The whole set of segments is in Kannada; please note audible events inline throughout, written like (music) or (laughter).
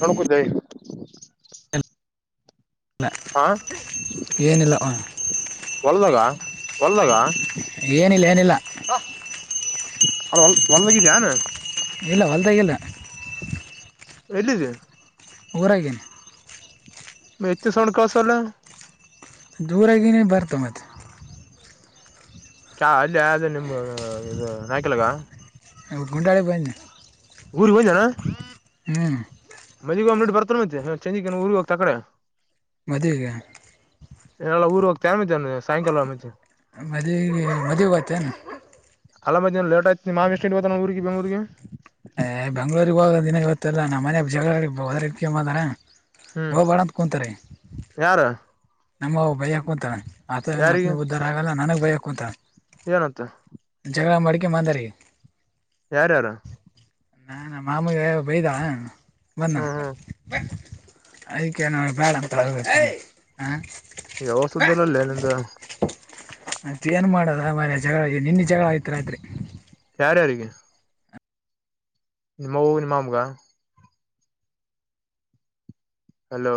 ಎಣ ಕೊ ಜ ಹಾ ಏನಿಲ್ಲ ಆ, ಹೊಲ್ದಾಗ ಹೊಲ್ದಾಗ ಏನಿಲ್ಲ ಏನಿಲ್ಲ ಅ ಭಲದಿ ಜಾನ ಇಲ್ಲ ಹೊಲ್ದಾಗಿಲ್ಲ ಎಲ್ಲಿದೆ ಹೊರಗೆ (unintelligible) ದೂರಗೇ ಬರ್ತ ಮತ್ತ ಕ ಅಲ್ಲಿ ಆದ ನಿಮ ಇದು ನಾಯ್ಕಲ್ಗ ಹ ಗುಂಡಾಡೆ ಬನ್ನ ಊರಿ ಹಂದಾನ ಹ್ಮ್ ಮಜಗ ಅಂಬ್ಲಿಟ್ ಬರ್ತಾನ ಮತ್ತ ಚಂಜಿ ಊರಿಗೆ ಹೋಗ್ತ ತ ಕಡೆ ಮದುವೆಗ ಎಲ್ಲ ಊರು ಹೋಗ್ತ ಆ ಸಾಯಂಕಾಲ ಆಮತಿ ಮದುವ ಮದ್ಗತ್ತನು ಅಲ್ಲ ಲೇಟ್ ಆಯತಿ ಮಾಮ್ ಎಷ್ಟ ಇ ಬತ ನ ಊರಿಗೆ ಬೆರಿಗೆ ಏ ಬೆಂಗ್ಳೂರಿಗೆ ಹೋಗ ದಿನ ಗೊತ್ತಲ್ಲಾ ನಮ್ಮ ಮನ ಜಗಳದಕ್ಕೆ ಮಾರ ಹ್ಮ್ ಹ ಬಾಳಂತ ಕುಂತಾರೀ ಯಾರ ನಮ್ಮ ಬಯ ಕುಂತ ಆತ ಹತ್ನ ಉದ್ದಾರ ಆಗಲ್ಲ ನನಗ್ ಬಯಕು ಅಂತ ಏನತ್ತ ಜಗಳ ಮಡಿಕೆ ಮಾಂದಾರಿ ಯಾರು ಯಾರು ನಾಾನ ಮಾಮೂ ಬಯದಾವ ಬಂದಾನ ಹ್ಮ್ ಹ್ಮ್ ಅಯ್ಕ ನೋ ಬೇಡ ಅಂತ ಹ ಯಾವ ಸ್ದಲ್ಲಲ್ಲ ಅಲ್ಲಿಂದ ಮತ್ ಏನ್ ಮಾಡದ ಮರ ಜಗಳ ನಿನ್ನ ಜಗಳ ಆಯ್ತ್ ರಾತ್ರಿ ಯಾರ ಯಾರಿಗೆ ನಿಮ್ಮ ಹೂ ನಿಮ್ಮ ಅಮ್ಗ ಹಲೋ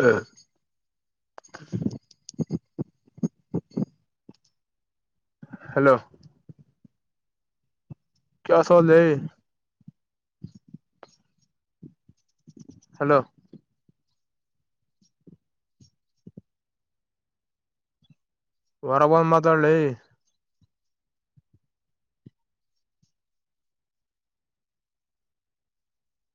ಹಾ (unintelligible) (inaudible) ಹಲೋ ಕ ಸಲ್ ಹಲೋ ಹೊರಬಂದ್ ಮಾತಾಡ್ಲಿ